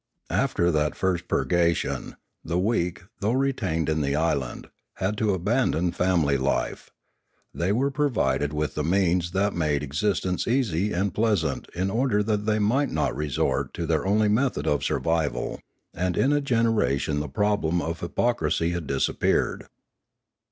After that first Ethics 607 purgation, the weak, though retained in the island, had to abandon family life; they were provided with the means that made existence easy and pleasant in order that they might not resort to their only method of sur vival; and in a generation the problem of hypocrisy had disappeared.